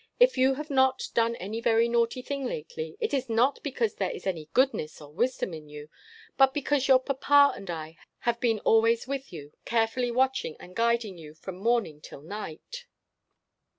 If you have not done any very naughty thing lately, it is not because there is any goodness or wisdom in you, but because your papa and I have been always with you, carefully watching and guiding you from morning till night."